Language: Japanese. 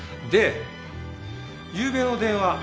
でゆうべの電話